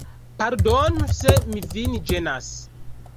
Pardonu se mi vin ĝenas.